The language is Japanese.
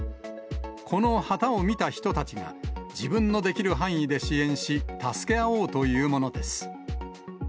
この旗を見た人たちが、自分のできる範囲で支援し、助け合おうというものです。